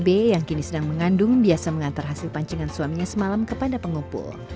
b yang kini sedang mengandung biasa mengantar hasil pancingan suaminya semalam kepada pengumpul